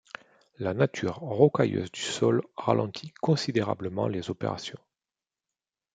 La nature rocailleuse du sol ralentit considérablement les opérations.